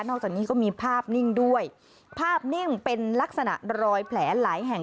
อกจากนี้ก็มีภาพนิ่งด้วยภาพนิ่งเป็นลักษณะรอยแผลหลายแห่ง